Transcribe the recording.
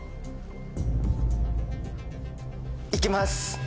いきます。